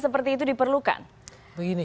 seperti itu diperlukan begini